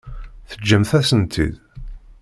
Teǧǧamt-asen-tt-id?